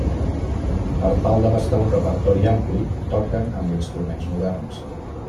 Per tal d'abastar un repertori ampli toquen amb instruments moderns.